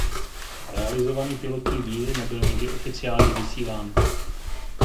Realizovaný pilotní díl nebyl nikdy oficiálně vysílán.